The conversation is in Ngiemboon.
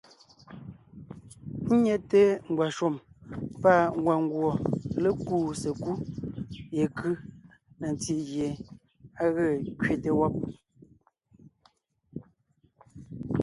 Ńnyɛte ngwàshùm pâ ngwàngùɔ lékuu sekúd yekʉ́ na ntí gie á ge kẅete wɔ́b.